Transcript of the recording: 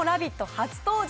初登場